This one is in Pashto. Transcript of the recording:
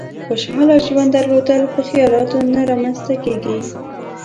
خوشحاله ژوند درلودل په خيالاتو نه رامېنځ ته کېږي.